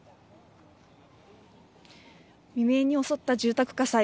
未明に襲った住宅火災。